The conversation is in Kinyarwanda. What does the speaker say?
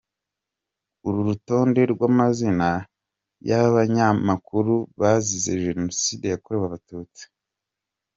Urutonde rw’amazina y’abanyamakuru bazize Jenoside yakorewe abatutsi.